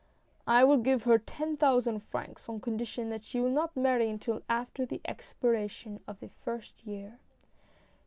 "I will give her ten thousand francs on condition that she will not marry until after the expiration of the first year."